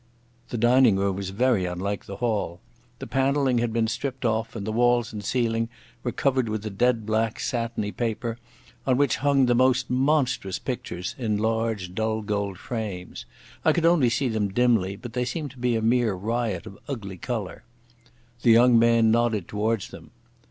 The dining room was very unlike the hall. The panelling had been stripped off, and the walls and ceiling were covered with a dead black satiny paper on which hung the most monstrous pictures in large dull gold frames. I could only see them dimly, but they seemed to be a mere riot of ugly colour. The young man nodded towards them.